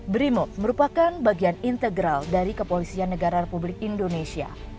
brimob merupakan bagian integral dari kepolisian negara republik indonesia